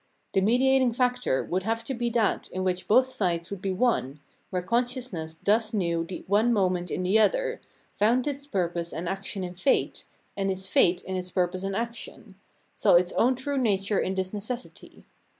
The mediating factor would have to be that in which both sides would be one, where consciousness thus knew the one moment in the other, found its purpose and action in Fate, and its fate in its purpose and action, saw its own true nature in this ^Necessity.